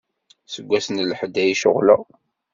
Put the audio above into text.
Seg wass n lḥedd ay ceɣleɣ.